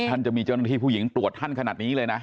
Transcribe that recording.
จะมีเจ้าหน้าที่ผู้หญิงตรวจท่านขนาดนี้เลยนะ